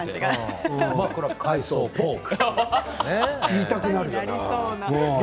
言いたくなるな。